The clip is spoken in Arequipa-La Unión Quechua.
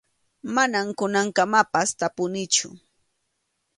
Manam kunankamapas tupanichu.